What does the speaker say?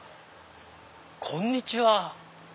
こんにちは。